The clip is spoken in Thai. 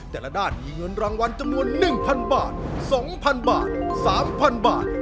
แต่ละด้านมีเงินรางวัลจำนวน๑๐๐บาท๒๐๐บาท๓๐๐บาท